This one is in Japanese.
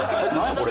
これ。